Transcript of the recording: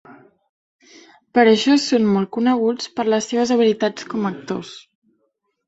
Per això, són molt coneguts per les seves habilitats com a actors.